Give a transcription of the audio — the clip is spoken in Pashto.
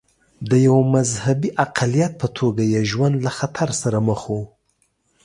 د یوه مذهبي اقلیت په توګه یې ژوند له خطر سره مخ و.